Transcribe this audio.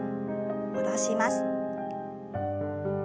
戻します。